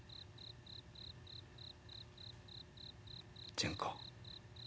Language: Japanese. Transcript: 純子。